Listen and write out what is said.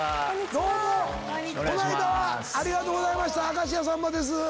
この間ありがとうございました明石家さんまです。